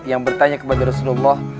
yang bertanya kepada rasulullah